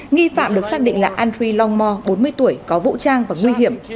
nghi phạm được xác định là andrew longmore bốn mươi tuổi có vũ trang và nguy hiểm